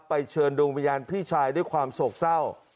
เชิญดวงวิญญาณพี่ชายด้วยความโศกเศร้า